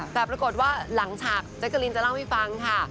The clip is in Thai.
แต่ปรากฏว่าหลังฉากแจ๊กกะลินจะเล่าให้ฟังค่ะ